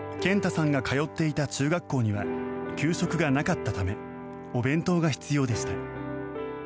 健太さんが通っていた中学校には給食がなかったためお弁当が必要でした。